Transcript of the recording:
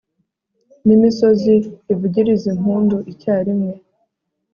n'imisozi ivugirize impundu icyarimwe